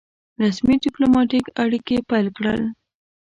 رسمي ډيپلوماټیک اړیکي پیل کړل.